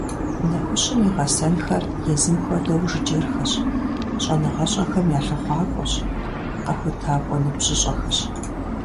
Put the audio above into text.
Нэхущым и гъэсэнхэр езым хуэдэу жыджэрхэщ, щӀэныгъэщӀэхэм я лъыхъуакӀуэщ, къэхутакӀуэ ныбжьыщӀэхэщ.